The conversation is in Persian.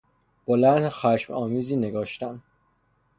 با لحن خشم آمیزی نگاشتن